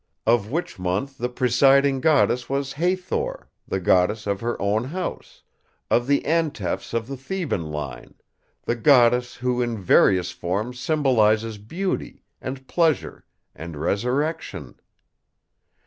Of which month the presiding Goddess was Hathor, the Goddess of her own house, of the Antefs of the Theban line—the Goddess who in various forms symbolises beauty, and pleasure, and resurrection.